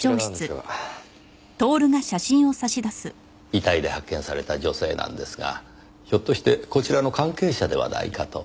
遺体で発見された女性なんですがひょっとしてこちらの関係者ではないかと。